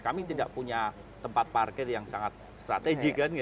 kami tidak punya tempat parkir yang sangat strategik